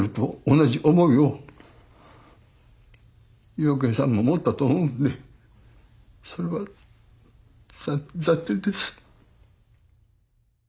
同じ思いを養賢さんも持ったと思うんでそれは残念です。